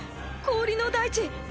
氷の大地！